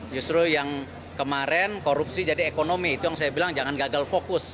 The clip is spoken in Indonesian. justru yang kemarin korupsi jadi ekonomi itu yang saya bilang jangan gagal fokus